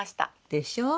でしょう？